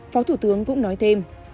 phó thủ tướng cũng nói thêm